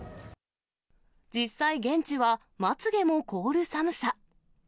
実際、現地はまつげも凍る寒さ。